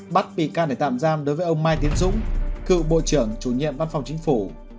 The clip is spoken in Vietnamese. bắt bị can để tạm giam đối với ông mai tiến dũng cựu bộ trưởng chủ nhiệm văn phòng chính phủ